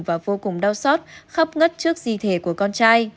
và vô cùng đau xót khóc ngất trước di thể của con trai